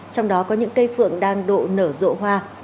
trong đó có những cây phượng đang độ nở rộ hoa